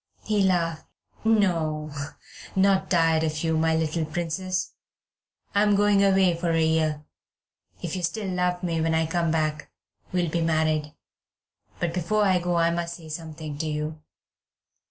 He laughed. "No, not tired of you, my little princess, but I am going away for a year. If you still love me when I come back we'll be married. But before I go I must say something to you."